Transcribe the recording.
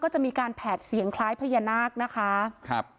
จะมีการแผดเสียงคล้ายพญานาคนะคะครับ